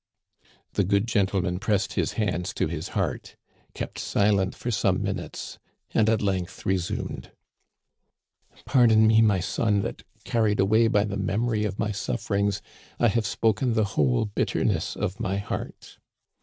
" The good gentle man" pressed his hands to his heart, kept silent for some minutes, and at length resumed : "Pardon me, my son, that, carried away by the mem ory of my sufferings, I have spoken the whole bitterness of my heart.